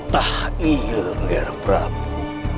tak iya ger prabu